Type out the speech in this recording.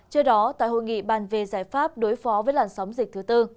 trước đó tại hội nghị bàn về giải pháp đối phó với làn sóng dịch thứ tư